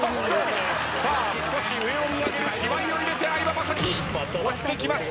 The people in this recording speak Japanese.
少し上を見上げる芝居を入れて相葉雅紀押してきました。